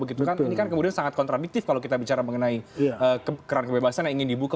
ini kan kemudian sangat kontradiktif kalau kita bicara mengenai keran kebebasan yang ingin dibuka